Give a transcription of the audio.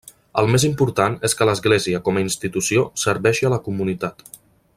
El més important és que l'Església, com a institució, serveixi a la comunitat.